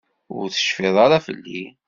Ur tecfiḍ ara fell-i?